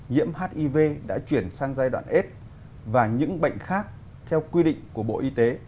nhiễm hiv đã chuyển sang giai đoạn s và những bệnh khác theo quy định của bộ y tế